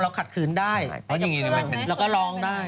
พอเราขัดขืนได้เราก็ลองได้